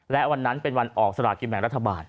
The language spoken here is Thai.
และวันนั้นเป็นวันออกสลากินแบ่งรัฐบาล